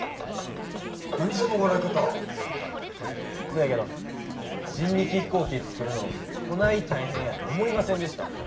そやけど人力飛行機作るのこない大変やて思いませんでした。